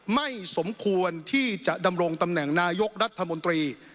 ไม่สมควรที่จะดำรงตำแหน่งนายกรัฐมนตรี